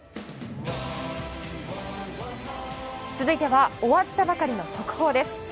続いては終わったばかりの速報です。